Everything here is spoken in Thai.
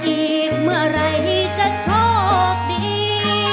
อีกเมื่อไหร่จะโชคดี